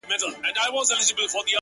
دا ستا خبري او ښكنځاوي گراني ـ